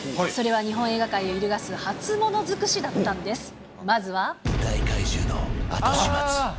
それは日本映画界を揺るがす初物尽くしだったんです。